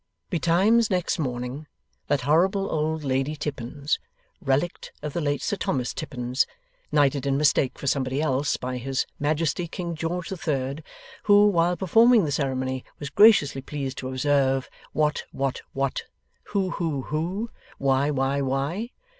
Betimes next morning, that horrible old Lady Tippins (relict of the late Sir Thomas Tippins, knighted in mistake for somebody else by His Majesty King George the Third, who, while performing the ceremony, was graciously pleased to observe, 'What, what, what? Who, who, who? Why, why, why?